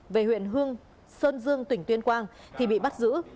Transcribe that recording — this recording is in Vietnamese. về huyện hương sơn dương tỉnh tuyên quang thì bị bắt giữ